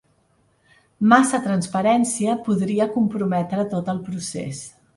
Massa transparència podria comprometre tot el procés.